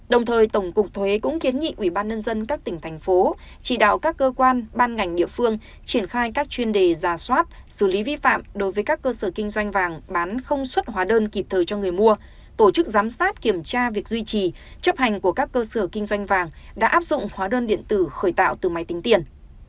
đồng thời tổng cục thuế cũng kiến nghị ủy ban nhân dân các tỉnh thành phố chỉ đạo các cơ quan ban ngành địa phương triển khai các chuyên đề giả soát xử lý vi phạm đối với các cơ sở kinh doanh vàng bán không xuất hóa đơn kịp thời cho người mua tổ chức giám sát kiểm tra việc duy trì chấp hành của các cơ sở kinh doanh vàng đã áp dụng hóa đơn điện tử khởi tạo từ máy tính tiền